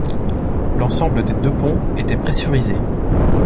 L'ensemble des deux ponts était pressurisé.